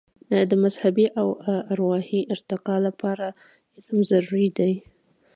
د مذهبي او روحاني ارتقاء لپاره علم ضروري دی.